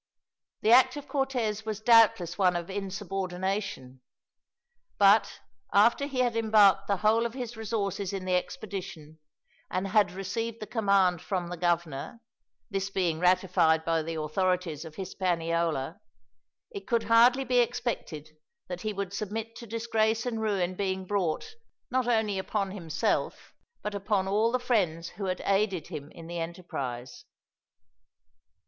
The act of Cortez was doubtless one of insubordination; but, after he had embarked the whole of his resources in the expedition, and had received the command from the governor, this being ratified by the authorities of Hispaniola, it could hardly be expected that he would submit to disgrace and ruin being brought, not only upon himself, but upon all the friends who had aided him in the enterprise.